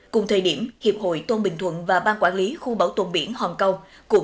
cùng thời điểm hiệp hội tôn bình thuận và ban quản lý khu bảo tồn biển hòn câu